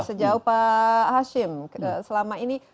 sejauh pak hasyi selama ini seberapa persen sudah kita minum